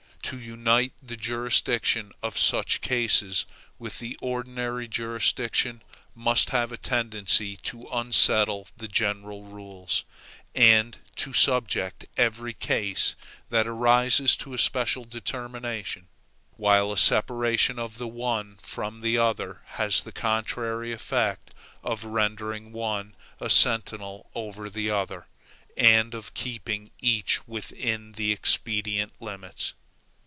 To unite the jurisdiction of such cases with the ordinary jurisdiction, must have a tendency to unsettle the general rules, and to subject every case that arises to a special determination; while a separation of the one from the other has the contrary effect of rendering one a sentinel over the other, and of keeping each within the expedient limits.